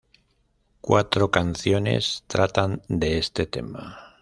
Cuatro canciones tratan de este tema.